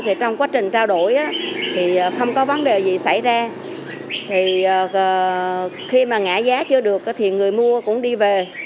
thì trong quá trình trao đổi thì không có vấn đề gì xảy ra thì khi mà ngã giá chưa được thì người mua cũng đi về